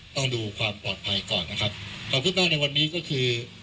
ต้องดูความปลอดภัยก่อนนะครับความคืบหน้าในวันนี้ก็คือ